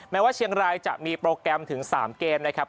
แม้ว่าเชียงรายจะมีโปรแกรมถึง๓เกมนะครับ